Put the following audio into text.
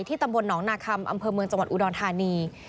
ตำบลหนองนาคัมอำเภอเมืองจังหวัดอุดรธานี